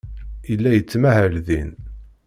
Yella yettmahal din.